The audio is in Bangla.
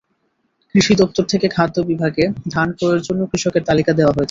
কৃষি দপ্তর থেকে খাদ্য বিভাগে ধান ক্রয়ের জন্য কৃষকের তালিকা দেওয়া হয়েছে।